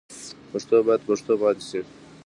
پښتو باید پښتو پاتې شي.